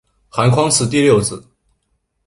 韩匡嗣第六子。